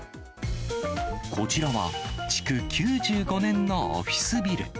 こちらは、築９５年のオフィスビル。